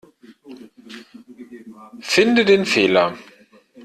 Finde den Fehler.